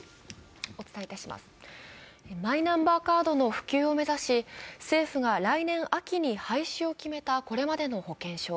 マイナンバーカードの普及を目指し、政府が来年秋に廃止を決めたこれまでの保険証。